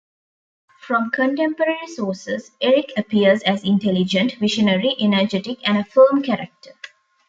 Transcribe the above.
From contemporary sources, Eric appears as intelligent, visionary, energetic and a firm character.